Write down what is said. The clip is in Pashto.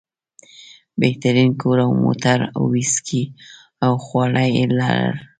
بهترین کور او موټر او ویسکي او خواړه یې لرل.